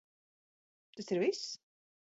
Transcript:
Tas ir viss?